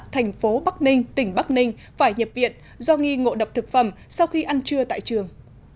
thành phố bắc ninh tỉnh bắc ninh phải nhập viện do nghi ngộ độc thực phẩm sau khi ăn trưa tại trường